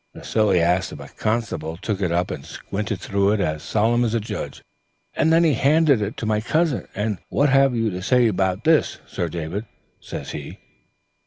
The silly ass of a constable took it up and squinted through it as solemn as a judge, and then he just handed it to my cousin, and 'What have you to say to this, Sir David?' says he.